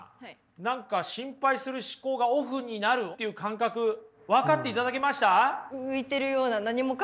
何か心配する思考がオフになるっていう感覚分かっていただけました？